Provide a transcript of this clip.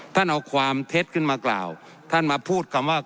ท่านเอาความเท็จขึ้นมากล่าวท่านมาพูดคำว่า